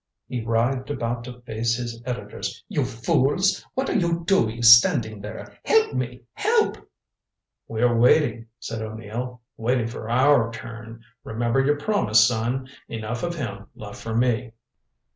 He writhed about to face his editors. "You fools! What are you doing, standing there? Help me help " "We're waiting," said O'Neill. "Waiting for our turn. Remember your promise, son. Enough of him left for me."